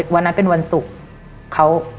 วันนั้นเป็นวันศุกร์